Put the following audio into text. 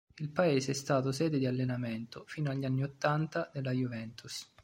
Il paese è stato sede di allenamento, fino agli anni Ottanta, della Juventus.